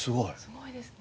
すごいですね。